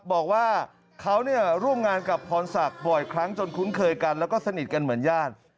บอกว่าเขาเนี่ยร่วมงานกับพรศักดิ์บ่อยครั้งจนคุ้นเคยกันแล้วก็สนิทกันเหมือนญาติ